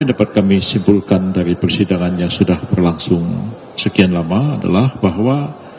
dapat kami simpulkan dari persidangan yang sudah berlangsung sekian lama adalah bahwa